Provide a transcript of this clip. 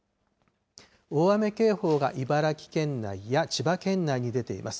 大雨警報が茨城県内や千葉県内に出ています。